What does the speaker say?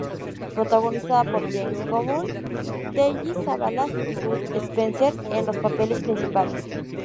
Protagonizada por James Coburn, Telly Savalas y Bud Spencer en los papeles principales.